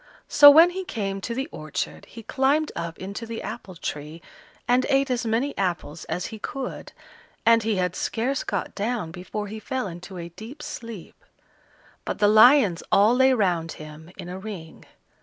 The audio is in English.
So when he came to the orchard, he climbed up into the apple tree and ate as many apples as he could, and he had scarce got down before he fell into a deep sleep; but the lions all lay round him in a ring.